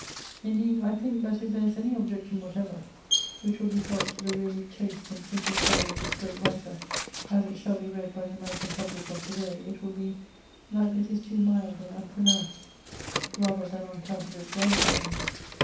Indeed, I think that if there is any objection whatever, which will be felt to the really chaste and simple tale of this great writer, as it shall be read by the American public of to day, it will be, that it is too nuld and unpronounced, rather than on Introduction. v account of its radicalism.